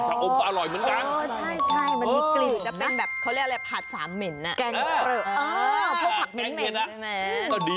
ชะอมที่เขาเอาไปใส่ใน